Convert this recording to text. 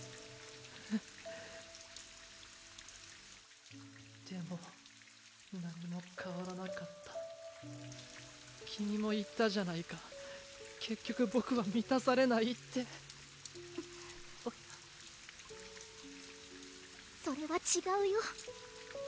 うっでも何もかわらなかった君も言ったじゃないか結局ボクはみたされないってそれはちがうよ